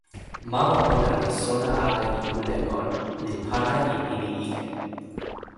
mama ona li sona ala e kule kon, li pana e nimi ike.